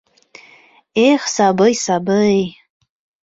Эх, сабый, сабый...